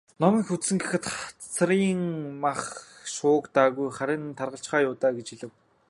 "Ном их үзсэн гэхэд хацрын нь мах шуугдаагүй, харин таргалчихаа юу даа" гэж хэлэв.